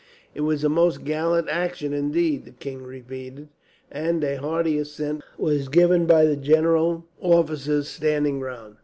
"It was a most gallant action, indeed," the king repeated; and a hearty assent was given by the general officers standing round.